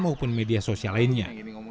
maupun media sosial lainnya